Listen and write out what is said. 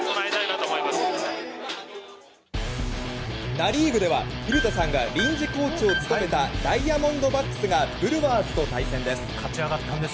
ナ・リーグでは古田さんが臨時コーチを務めたダイヤモンドバックスがブルワーズと対戦です。